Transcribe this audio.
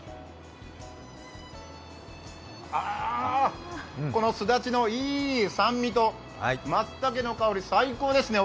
あ、すだちのいい酸味とまつたけの香り、最高ですね。